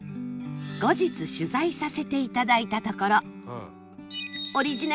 後日取材させていただいたところ